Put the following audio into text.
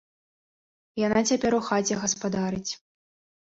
Яна цяпер у хаце гаспадарыць.